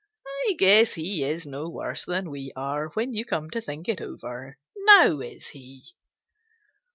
I guess he is no worse than we are, when you come to think it over. Now is he?"